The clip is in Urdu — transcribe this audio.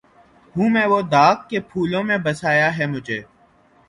ہوں میں وہ داغ کہ پھولوں میں بسایا ہے مجھے